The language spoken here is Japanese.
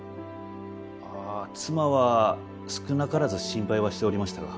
あー妻は少なからず心配はしておりましたが。